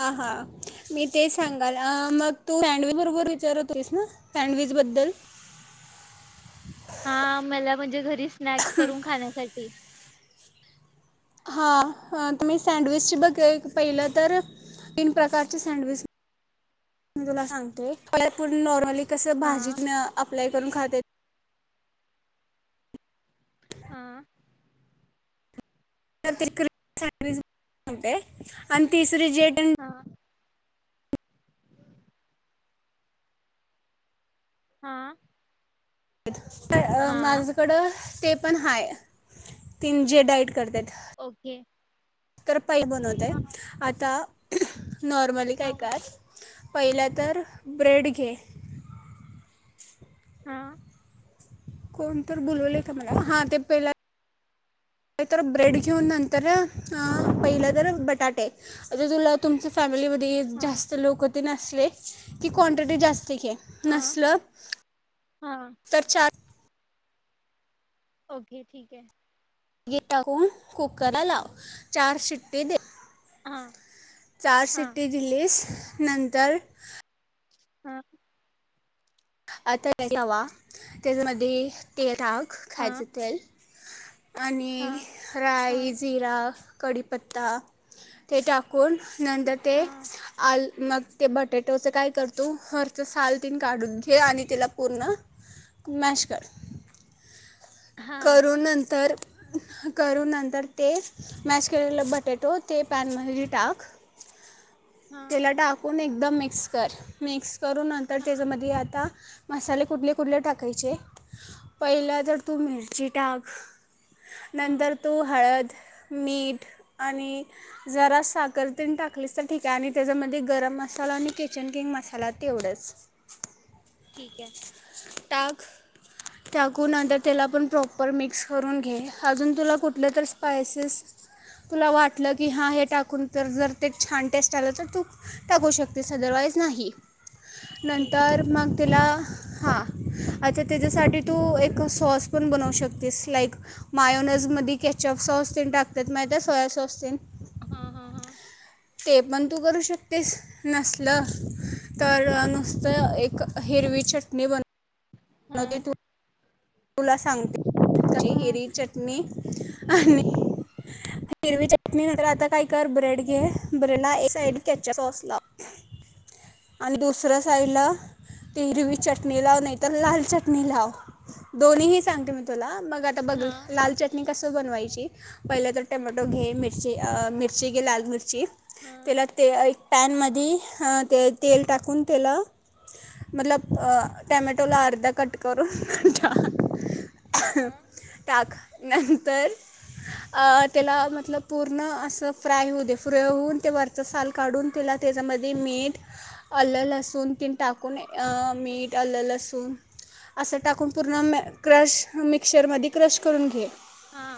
हां हां मी ते सांगाला आ मग तू [unintelligible] बरोबर विचारत होतीसना सॅन्डविच बद्दल? हां मला म्हंजे घरी स्नॅक्स करून खाण्यासाठी. हां अ तुम्ही सँडविचची बघ एक पहिलं तरं तीन प्रकारची सँडविच [inaudible] म तुला सांगतो [unintelligible] फुल नॉर्मली कसं हा भाजीतनं आपल्या करून खात्यात हां तर ते क्री [inaudible] सँडविच [inaudible] नतय आणि तिसरी जेटन हा हां [inaudible] [unintelligible] अं माझकडं ते पण हाय तीन जे डायट करत्यात. ओके. तर पैल बनवतय हा आता [inaudible] नॉर्मली काय हा काज पहिला तर ब्रेड घे. हा कोण तर बोलवले का मला हां ते पहिला नाईतर ब्रेड घ्युन नंतर हां हा पहिलं तर बट त्या टाईप म्हंजे तुला तुमच्या फॅमिली लीत हा जास्त लोक तेनअसले की क्वांटिटी जास्त तीकी हा नसलं हा तर चार ओके ठीके. ईट टाकून कुकरला लाव चार शिट्टे दे. हां. चार सिट जिलीिस नंतर हम् आता हवा त्याच्यामध्ये ते टाक खा हा तेल आणि हा हा राय जिरा कढीपत्ता ते टाकून नंद हा ते हा आल मग ते बटेटोचं काय करतो हरच सालतीन काढून हे आणि तिला पूर्ण मॅश कर हा करून नंतर ह करून नंतर तेच मॅश के बटेटो तेन मली टाक हा त्याला टाकून एक एकदम मिक्स कर मिक्स करू नंतर त्याच्यामध्ये आता मसाले कुठले कुठले टाकायचे पहिला जर तू मिळ िटाग हा नंतर तू हळद मीठ आणि जरा साखरतेन टाकलीस तर ठीक आहे आणि त्याच्यामध्ये गरम मसाला आणि किचन किंग मसाला तेवढाच ठीकय. टाक टाकूनंतर त्याला पण प्राब प्रॉपर मिक्स करून घे अजून तुला कुठलं तर स्पायसेस तुला वाटलं की हां हे टाकून तर जर ते छान टेस्ट आलं तर तू टाकू शकतेस अदरवाईज नाही. ठीक आहे नंतर मग तिला हा. अच्छा त्याच्यासाठी तू एक क सॉस पण बनवू श ते स्लाईक मायोनजमध्ये केचअप सॉस तेन टाकतेत माहितय? सोया सॉस तेन. हा, हा, हा. ते पण तू करू शकतेस, नसल तर नुसतं एक हिरवी चटणी बन हु तुला सांगते हिरी चटणी आणि हिरवी चटणी नायतर आता काय कर ब्रेड घे ब्रेड ला एक साइड केचप सॉस लाव आणि दुसर्या साईडला ती हिरवी चटणी लाव नाहीतर लाल चटणी लाव. दोनी ही सांगते मी तुला मग ट बघल हा लाल चटणी कसं बनवायची पहिलं तर टोमॅटो घे मिरची अ मिरची घे लाल मिरची हा त्याला ते ऐक पॅनमध्ये हं ते तेल टाकून त्याला मतलब टामॅटोला अर्धा कट करूनं खा टाक नंतर त्याला मतलब पूर्ण असं फ्राय होऊ दे, फ्र होऊन ते वरचं साल काढून त्याला त्याच्यामध्ये मीठ आल लसून तेन टाकून मीठ आल्लं लसून असं टाकून पूर्ण म क्रश मिक्सरमध्ये क्रश करून घे. हा.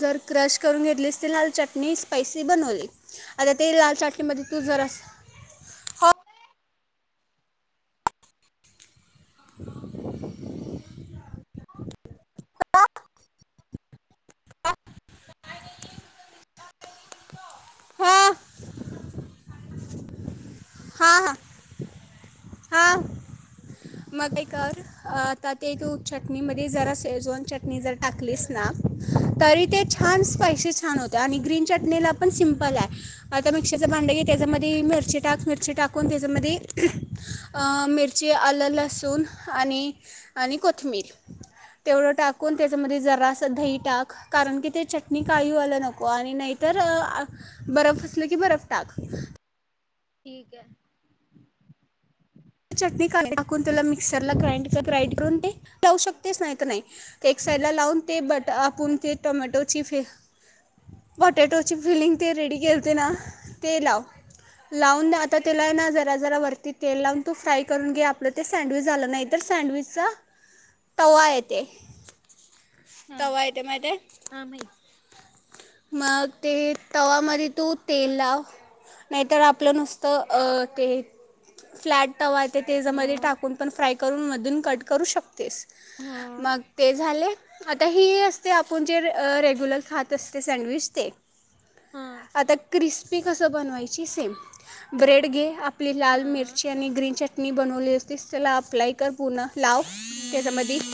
जर क्रश करून घेतलीस तर लाल चटणी स्पायसी बनवली आता ते लाल चटणीमध्ये तू जरास [inaudible] काय? हा हा, हा. हा. म काय कर आता ते तू चटणीमध्ये जरा सेजवांन चटणी जर टाकलीस ना तरी ते छान स्पायसी छान होतेय आणि ग्रीन चटणीला पण सिमपलय. आता हा मिक्सरचा भांड घे त्याच्यामध्ये मिरची टाक. मिरची टाकून त्याच्यामध्ये मिरची आलं लसूण आणि आणि कोथमीर तेवढं टाकून त्याच्यामध्ये जरासं दही टाक, कारण की ते चटणी काळ होयला नको आणि नाहीतर बरफ असलं की बरफ टाक. ठीकय. चटणी का नाय टाकून त्याला मिक्सरला ग्राईंड ग्राईंड करून ते लावू शकतेच नाय का नाय एक साइडला लावून ते बट आपून ते टोमॅटोची फि पोटॅटोची फिलिंग ते रेडी केलते ना ते लाव लावून आता त्याला ना जरा जरा वरती तेल लावून तो फ्राय करून घे आपलं ते सँडविच झालं नाही तर सँडविचचा तवा येते हा तवाय ते माहितय? हा माहित मग ते तवामध्ये तू तेल लाव नाहीतर आपलं नुसतं ते फ्लॅट तवायते हो तेजमध्ये टाकून आपण फ्राय करून मधून कट करू शकतेस हो मग ते झाले आता ही असते आपण जे रेग्युलर खात अस ते सँडविच ते हा आता क्रिस्पी कस बनवायची सेम ब्रेड घे आप आपली लाल हा मिरची आणि ग्रीन चट्ट आपनी बनवली होते इ चला आप्लाई कर पुू ना लाव हा त्याच्यामध्ये [inaudible]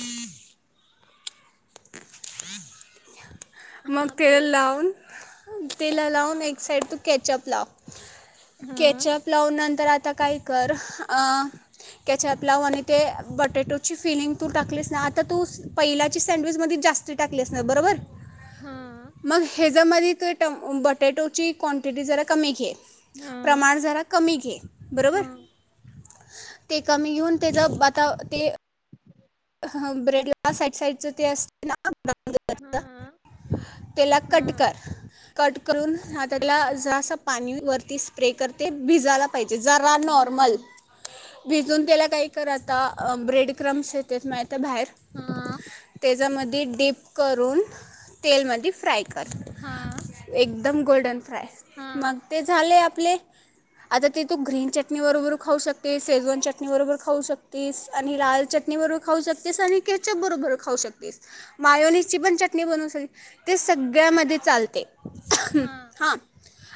मग हा ते बोल लावून तेला लावून एक्ट साईड तू कॅचअप लाव. हा केचअप लावून नंतर आता आता काय कर अ कॅचप लाव आणि ते बटेटो ची फिलिंग तू टाकलेस ना आता तू पहिलाची सँडविच मध्ये जास्ती टाकलेस ना बरोबर. हा मग ह्याच्या मध ते ट बटॅटोची क्वांटिटी जरा कमी घे. हा प्रमाण जरा कमी के हा बरोबर. हा ते कमी घेऊन त्याचा आात ते ह ब्रेड ला साईड साईडच ते असते ना ता हा तेला हा कट हा कर कट करून आ त्याला ज असं पाणी वर ती स्प्रे करते भिजाला हा ज भिजून त्याला काही कररा आता ब्रेड क्रम्स आहेत तेच माहिित बाहेर हम त्याच्यामध्ये डीप करून तेलमध्ये फ्राय कर हा एकदम गोल्डन मग ते झाले आता ते तू ग्रीन चटणी बरोबर खाऊ शकतेस शेजवन चटणी बरोबर खाऊ शकतेस आणि लाल चट चटणी बरोबर खाऊ शकतेस आणि केचप बरोबर खाऊ शकतेस मायोनीची पण चटणी बनवू शकते ते सगळ्यामध्ये चालते हां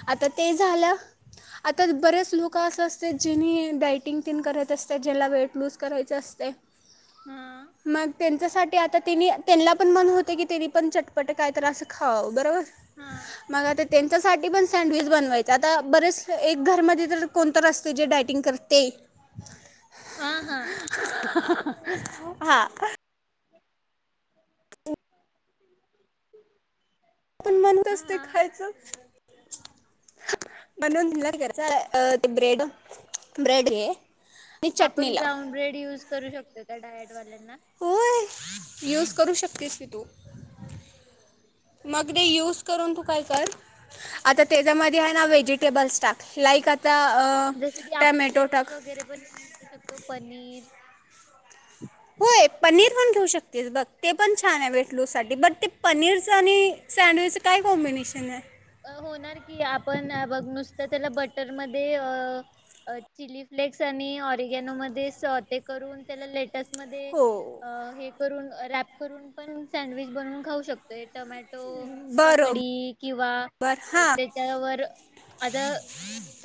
आता ते झालं आता बरेच लोक असं असत जिनी डायटिंग तीन करत असते ज्याला वेट लूज करायचं असते मग त्यांच्यासाठी ते आतानी त्यांना पण म्हण होते की त्यांनी पण चटपट कायत असं खावं बरोबर हा मग आता टंथसाठी पण सँडविच बनवायच आता बरेच एक घरमध्ये तर कोणत असत जे डायटिंग करते हा हा हा आपण म्हणत हा अस ते हा खायचं म्हणून क ते ब्रेड ब्रेड घे आणि आपण चटणी लाव ब्राउन ब्रेड युज करू शकतोय का डायट वाल्यांना होय यूज करू शकतेस कि तू मग ते यूज करून तू काय कर, आता त्याच्यामध्ये आहे ना व्हेजिटेबल स्टाक लाईक आता जस की आपण टॅमॅटो लेटस टाक वगैरे पण युज करू शकतो पनीर, होय पनीर पण घेऊ शकतेस बघ ते पण छान आहे वेटलू साठी बट ते पनीरच आणि सँडविचच काय कॉम्बिनेशन आहे? होणार की आपण बघ नुसत त्याला बटर मध्ये चिली फ्लेक्स आणि ऑरिगॅनो मध्ये सोते करून त्याला लेटस् मध्ये हो हे करून त्याला अ र्याप करून पण सँडविच बनवून खाऊ शकतोय. टोमॅटो बरोबर ककडी किंवा, हां त्याच्यावर आता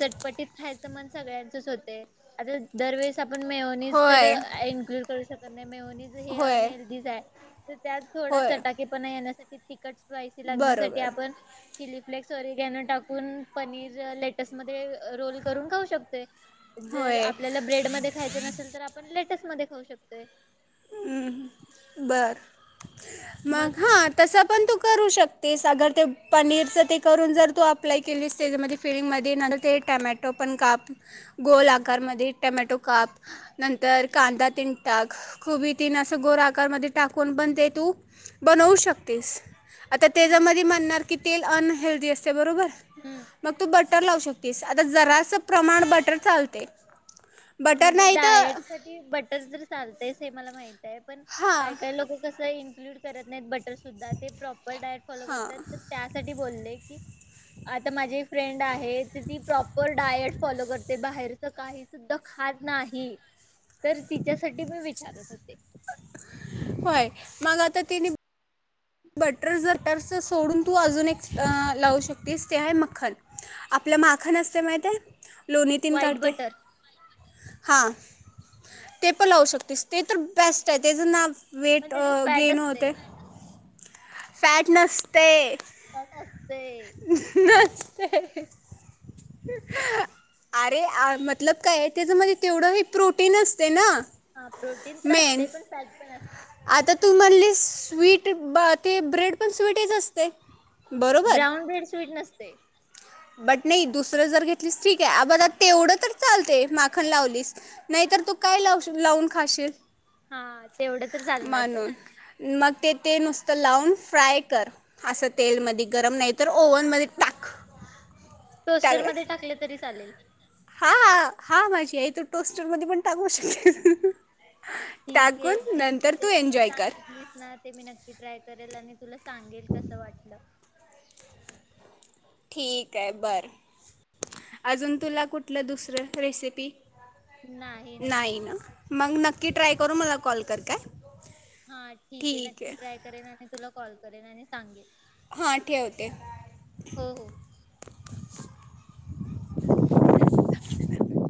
चटपटीत खायचं मन सगळ्यांचच होत. ते आता दरवेेळेस आपण मेवोणीज तर होय इन्क्लूड करू श तेचा मेउनीज हे होय अनहेल्थीज आहे. तर त्यात थोडा होय चटाकेपणा येण्यासाठी तिकट स्पायसी लागण्यासाठी बरोबर आपण चिली आप सॉरी गॅन टाकून पनीर लेटस्ट मध्ये रोल करून खाऊ शकतोय. जर होय आपल्याला ब्रेड मध्ये खायच नसेल तर आपण मध्ये खाऊ शकतोय. बर मग हा तस पण तू करू शकतेस अगर ते पनीरच ते करून जर तू अप्लाय केलीस त्याच्यामध्ये फिडिंगमध्ये ते टमॅटो पण काप गोल आकारमध्ये टमॅटो काप नंतर, कांदा तीन टाक खुबी तीन असं गोरकारमध्ये टाकून बनते तू बनवू शकतेस आता हम्म त्याच्यामध्ये म्हणणार की तेल अन हेल्दी अस बरोबर हम्म. मग तू बटर लावू शकत तीस आता जरासं प्रमाण बटर चालतय. म्हणजे डायट साठी तर जर चालतेस मला माहिती पण हां काय काय लोक कसं इक्लू करत ब. तर सुद्धा ते प्रॉपर डायट फॉलो हां करतात. तर त्यासाठी बोलले की. आता माझी एक फ्रेंड आहे ती प्रॉपर डायट फॉलो करते बाहेरच काही सुद्धा. खात नाही तर तिच्यासाठी मी विचारत होते होय मग आता तनी. बटर जटरस सोडून तू अजून एक लावू शकतेस ते आहे मखन आपलं माखन असते माहित लोणी तीन व्हाईट काढते. बटर हां ते पण लावू शकतेस ते तर बेस्ट आहे तेचं नाव. पण वेट त्याच्यात फॅट गेन असते होते. फॅट नसते फॅट असते नसते. अरे मतलब काय आहे त्याच्या मध्ये तेवढं हे प्रोटीन असते ना. हा प्रोटीन तर मेन असते पण फॅट पण असते आता तू म्हणाली स्वीट ब. ते ब्रेड पण स्वीटहीच असते. बरोबर ब्राऊन ब्रेड स्वीट नसते. बट नाही दुसरं जर घेतलीच ठी. बघ तेवढं तर. चालते माखन लावलीस नाहीतर तू काय लाव लावून खाशील. हा तेवढं तर चालणार ते. म्हणून मग ते ते नुसतं लावून फ्राय कर असं तेलमध्ये गरम नाही तर ओवनमध्ये टाक. टोस्टर मध्ये टाकले तरी चालेल. हा हा माझी आई तू टोस्टर मध्ये पण टाकू शकेल. ठीक आहे. जे तू रेसिपी एन्जॉय कर सांगितलीस ना ते मी नक्की ट्राय करेल आणि. तुला सांगेल कस वाटलं. ठीक आहे बरं. अजून तुला कुठे. आपलं दुसरं रेसिपी. नाही ना मग न. की ट्राय करू मला कॉल कर काय. हा ठीक आहे नक्की ट्राय करेन आणि तुला कॉल. करेन आणि सांगेल. हा ठेवते. हो हो [unintelligible]